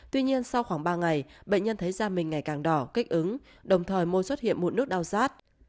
tuy nhiên sau khoảng ba ngày bệnh nhân thấy da mình ngày càng đỏ kích ứng đồng thời mua xuất hiện mụn nước đau rát